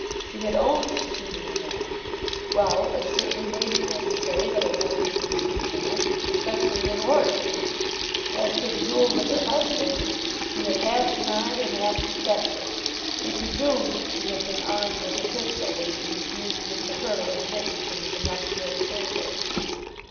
She had owned to shooting the man. Well; it certainly may be necessary that a woman should shoot a man especially in Oregon. As to the duel with her husband, she had half denied and half confessed it. He presumed that she had been armed with a pistol when she refused Mr. Hurtle admittance into the nuptial chamber.